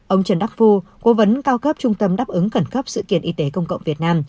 ông trần đắc phu cố vấn cao cấp trung tâm đáp ứng cẩn cấp sự kiện y tế công cộng việt nam